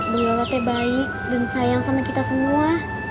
bu guliola teh baik dan sayang sama kita semua